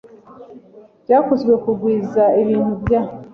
byakozwe kugwiza ibintu bya